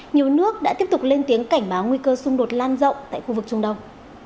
nhiều nước đã tiếp tục lên tiếng cảnh báo nguy cơ xung đột lan rộng tại khu vực trung đông